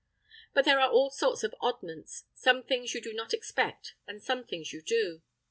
But there are all sorts of oddments, some things you do not expect and some things you do.